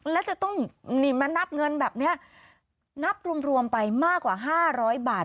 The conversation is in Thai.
และจะต้องมานับเงินแบบนี้นับรวมไปมากกว่า๕๐๐บาท